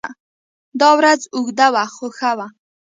دا ورځ اوږده وه خو ښه وه.